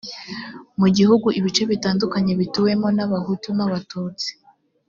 mu gihugu ibice bitandukanye bituwemo n’abahutu n’ abatutsi